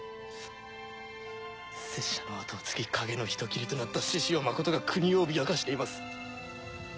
拙者の後を継ぎ影の人斬りとなった志々雄真実が国を脅かしています。